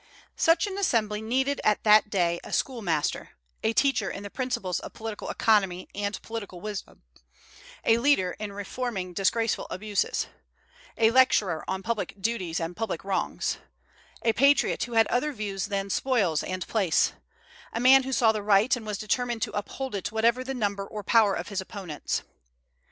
Such an assembly needed at that day a schoolmaster, a teacher in the principles of political economy and political wisdom; a leader in reforming disgraceful abuses; a lecturer on public duties and public wrongs; a patriot who had other views than spoils and place; a man who saw the right, and was determined to uphold it whatever the number or power of his opponents.